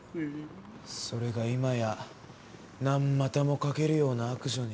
それが今や何股もかけるような悪女に。